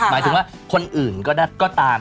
หมายถึงว่าคนอื่นก็ตาม